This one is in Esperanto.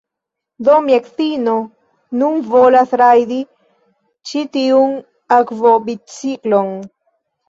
Do, mia edzino nun volas rajdi ĉi tiun akvobiciklon